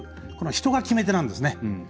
人が決め手なんですね。